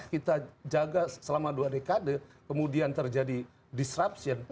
kita jaga selama dua dekade kemudian terjadi disruption